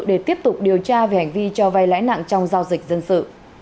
để tiếp tục điều tra về hành vi cho vay lãi nặng trong giao dịch dân sự